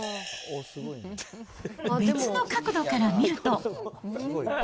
別の角度から見ると。